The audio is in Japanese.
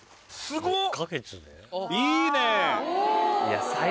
いいね。